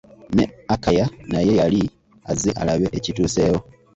Ne Akaya naye yali azze alabe ekituusewo.